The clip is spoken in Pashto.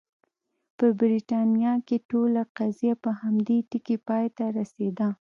په برېټانیا کې ټوله قضیه په همدې ټکي پای ته رسېده.